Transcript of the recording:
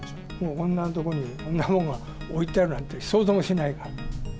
こんな所にこんなものが置いてあるなんて、想像もしないから。